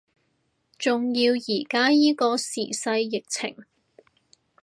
仲要依家依個時勢疫情